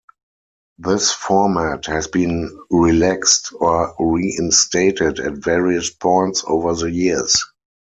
This format has been relaxed or reinstated at various points over the years.